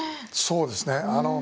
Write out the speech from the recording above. そうですね。